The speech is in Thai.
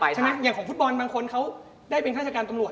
ใช่ไหมอย่างของฟุตบอลบางคนเขาได้เป็นข้าราชการตำรวจ